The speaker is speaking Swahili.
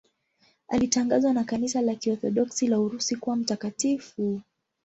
Alitangazwa na Kanisa la Kiorthodoksi la Urusi kuwa mtakatifu.